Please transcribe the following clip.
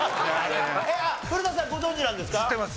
古田さんご存じなんですか？